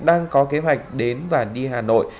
đang có kế hoạch đến và đi hà nội